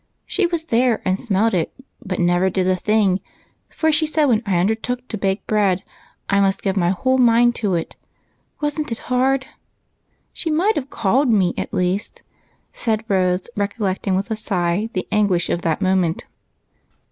She was there and smelt it, but never did a thing, for she said, when I undertook to bake bread I must give my whole mind to it. Wasn't it hard? She might have called me at least," said Rose, recollect ing, wdth a sigh, the anguish of that moment.